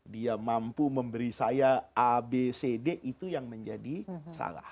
dia mampu memberi saya abcd itu yang menjadi salah